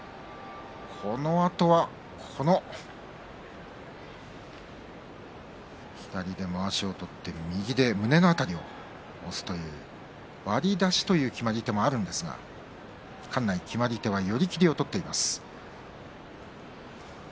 そのあとは左でまわしを取って右で胸の辺りを押すという割り出しという決まり手もあるんですが館内、決まり手は寄り切りを取っています。